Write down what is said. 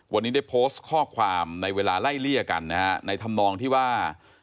วันนี้ได้โพสต์ข้อความในเวลาไล่เลี่ยกันนะฮะในธรรมนองที่ว่า